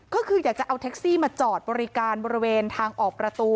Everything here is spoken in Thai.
ก็คืออยากจะเอาแท็กซี่มาจอดบริการบริเวณทางออกประตู